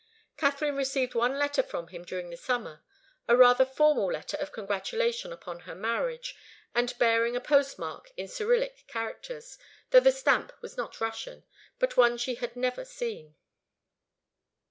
Katharine received one letter from him during the summer a rather formal letter of congratulation upon her marriage, and bearing a postmark in Cyrillic characters, though the stamp was not Russian, but one she had never seen.